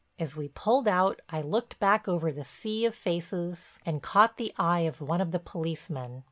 As we pulled out I looked back over the sea of faces and caught the eye of one of the policemen.